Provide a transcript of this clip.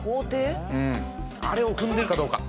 あれを踏んでるかどうか。